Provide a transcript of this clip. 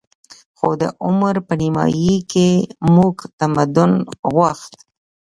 خو د عمر په نیمايي کې موږ تمدن غوښت